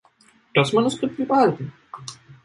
Das Manuskript blieb erhalten.